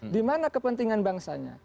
dimana kepentingan bangsanya